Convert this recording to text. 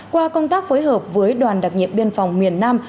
qua công tác phối hợp với đoàn đặc nhiệm biên phòng miền nam